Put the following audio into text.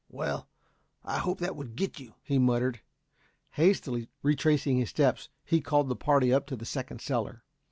"Well; I hope that would get you," he muttered. Hastily retracing his steps he called the party up to the second cellar.